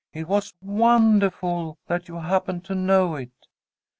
It was wondahful that you happened to know it!"